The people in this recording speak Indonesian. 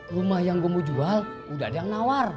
rumah yang gue mau jual udah ada yang nawar